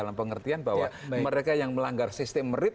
mereka yang melanggar sistem merit